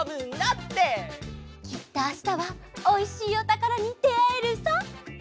きっとあしたはおいしいおたからにであえるさ！